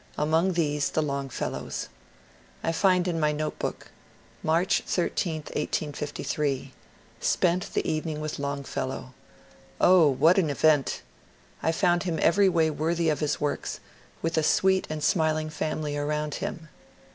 Among these the Longfellows. I find in my note book :" March 13, 1853. Spent the evening with Longfellow! O what an event! I found him every way worthy of his works, with a sweet and smiling family around him.